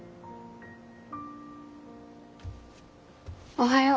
おはよう。